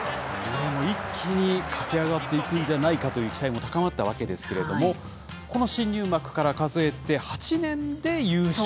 一気に駆け上がっていくんじゃないかという期待も高まったわけですけれども、この新入幕から数えて８年で優勝。